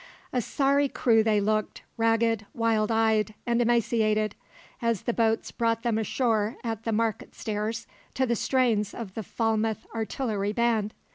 A sorry crew they looked, ragged, wild eyed, and emaciated, as the boats brought them ashore at the Market Stairs to the strains of the Falmouth Artillery Band.